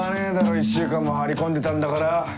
１週間も張り込んでたんだから。